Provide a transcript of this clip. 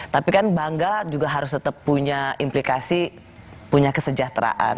tapi kan bangga juga harus tetap punya implikasi punya kesejahteraan